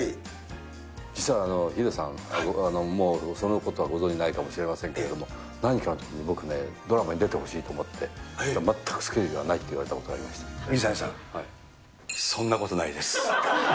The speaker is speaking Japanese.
実はヒデさん、僕、そのことはご存じないかもしれないですけれども、何かのときに、僕ね、ドラマに出てほしいと思って、全くスケジュールがないと言水谷さん、そんなことないです。